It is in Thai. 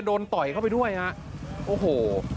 ต่อยเข้าไปด้วยฮะโอ้โห